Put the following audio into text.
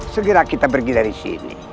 segera kita pergi dari sini